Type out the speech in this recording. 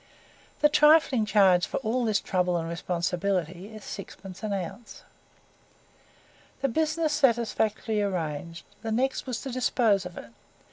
The trifling charge for all this trouble and responsibility is sixpence an ounce. The business satisfactorily arranged, the next was to dispose of it.